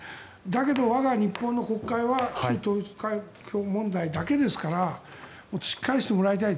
だけど、我が日本の国会は旧統一教会問題だけですからしっかりしてもらいたい。